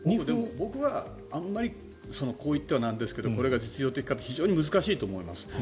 僕はこう言ったらなんですけどこれが実用的かは非常に難しいと思います。